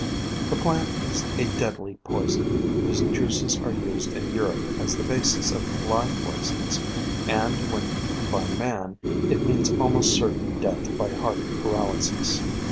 The plant is a deadly poison, whose juices are used in Europe as the basis of fly poisons, and when eaten by man 174 POISONOUS PLANTS it means almost certain death by heart paralysis.